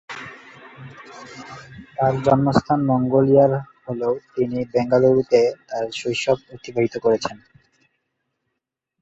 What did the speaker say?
তাঁর জন্মস্থান ম্যাঙ্গালোর হলেও তিনি বেঙ্গালুরুতে তাঁর শৈশব অতিবাহিত করেছেন।